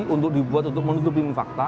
untuk dibuat untuk menutupi fakta